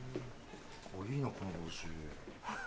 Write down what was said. いいなこの帽子。